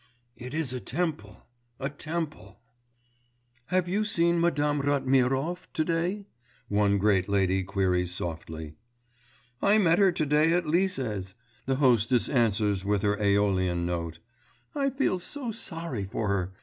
It is a temple, a temple! 'Have you seen Madame Ratmirov to day?' one great lady queries softly. 'I met her to day at Lise's,' the hostess answers with her Æolian note. 'I feel so sorry for her....